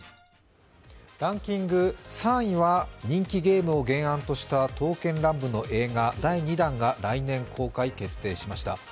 ランキング３位は人気ゲームを原案とした「刀剣乱舞」の映画第２弾が来年公開決定しました。